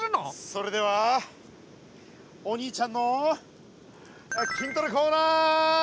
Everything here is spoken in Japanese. それではお兄ちゃんの筋トレコーナー！